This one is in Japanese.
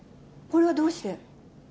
これはどうして？